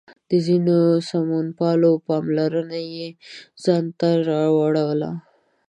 د ځینو سمونپالو پاملرنه یې ځان ته راواړوله.